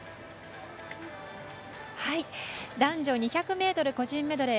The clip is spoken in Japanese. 男女２００ｍ個人メドレー